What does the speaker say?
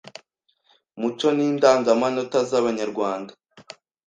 muco n’indangamanota z’Abanyarwanda